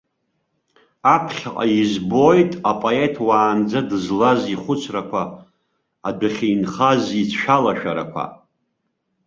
Аԥхьаҟа избоит апоет уаанӡа дызлаз ихәыцрақәа, адәахьы инхаз ицәалашәарақәа.